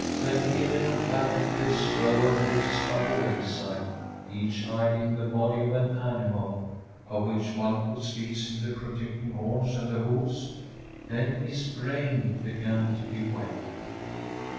When Hede looked back at this row of drifts by the wayside, each hiding the body of an animal, of which one could still see the pro jecting horns and the hoofs, then his brain began to give way.